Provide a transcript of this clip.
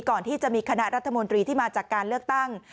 ก่อนที่จะมีคณะรัฐมนตรีที่มาจากการเลือกตั้ง